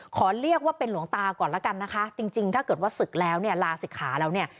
ขอเรียกว่าเป็นหลวงตาก่อนแล้วกันนะคะจริงถ้าเกิดว่าศึกแล้วเนี่ยลาศิกขาแล้วเนี่ย